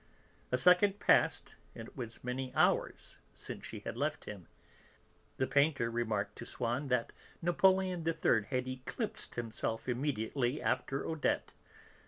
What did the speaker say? A second passed and it was many hours since she had left him. The painter remarked to Swann that Napoleon III had eclipsed himself immediately after Odette.